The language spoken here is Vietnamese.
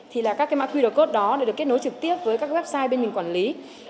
thì là các cái mã qr code đó đều được kết nối trực tiếp với các website bên mình quản lý